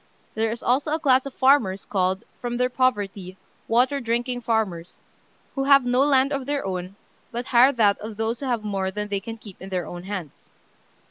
There is also a class of farmers called, from their poverty, "water drinking farmers," who have no land of their own, but hire that of those who have more than they can keep in their own hands.